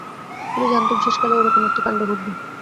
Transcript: আমি জানতুম শেষকালে এইরকম একটি কাণ্ড ঘটবে।